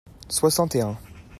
soixante et un.